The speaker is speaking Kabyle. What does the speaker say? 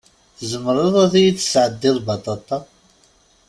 Tzemreḍ ad yid-tesɛeddiḍ baṭaṭa?